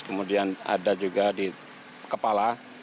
kemudian ada juga di kepala